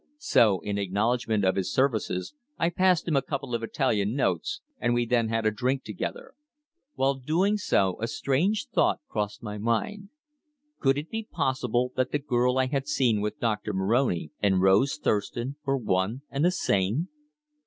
So in acknowledgment of his services I passed him a couple of Italian notes, and we then had a drink together. While doing so a strange thought crossed my mind. Could it be possible that the girl I had seen with Doctor Moroni and Rose Thurston were one and the same!